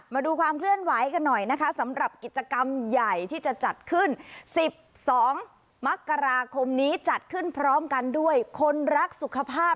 มาดูความเคลื่อนไหวกันหน่อยนะคะสำหรับกิจกรรมใหญ่ที่จะจัดขึ้น๑๒มกราคมนี้จัดขึ้นพร้อมกันด้วยคนรักสุขภาพ